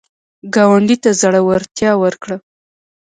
ګاونډي ته زړورتیا ورکړه